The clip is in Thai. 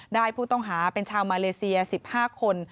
ได้ผู้ต้องหาเป็นชาวมาเลเซีย๑๕คน